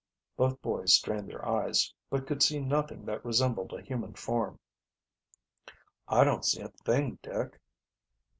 Both boys strained their eyes, but could see nothing that resembled a human form. "I don't see a thing, Dick."